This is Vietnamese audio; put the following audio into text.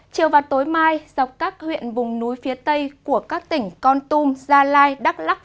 chiều và tối mai dọc các huyện vùng núi phía tây của các tỉnh con tum gia lai đắk lắc